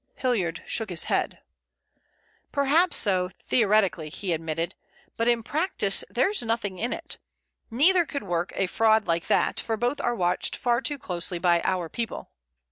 Hilliard shook his head. "Perhaps so, theoretically," he admitted, "but in practice there's nothing in it. Neither could work a fraud like that, for both are watched far too closely by our people.